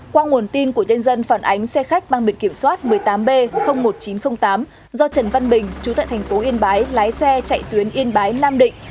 qua nguồn tin của nhân dân phản ánh xe khách mang biệt kiểm soát một mươi tám b một nghìn chín trăm linh tám do trần văn bình chú tại thành phố yên bái lái xe chạy tuyến yên bái nam định